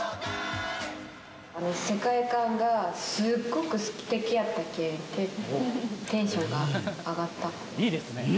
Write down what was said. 世界観がすっごくすてきやったけん、結構、テンションが上がった。